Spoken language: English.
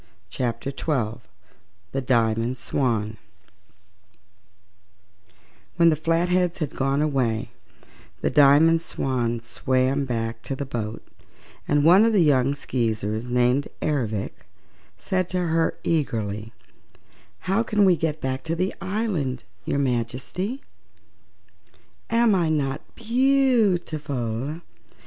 Chapter Twelve The Diamond Swan When the Flatheads had gone away the Diamond Swan swam back to the boat and one of the young Skeezers named Ervic said to her eagerly: "How can we get back to the island, your Majesty?" "Am I not beautiful?"